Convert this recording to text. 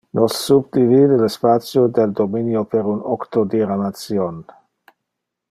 Nos subdivide le spatio del dominio per un octodiramation.